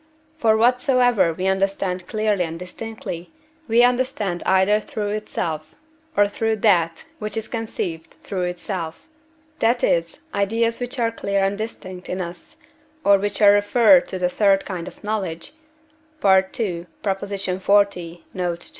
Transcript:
For whatsoever we understand clearly and distinctly, we understand either through itself, or through that which is conceived through itself; that is, ideas which are clear and distinct in us, or which are referred to the third kind of knowledge (II. xl. note.